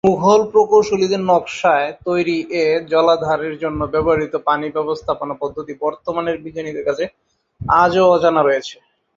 মুঘল প্রকৌশলীদের নকশায় তৈরী এ জলাধারের জন্য ব্যবহৃত পানি ব্যবস্থাপনা পদ্ধতি বর্তমানের বিজ্ঞানীদের কাছে আজো অজানা রয়েছে।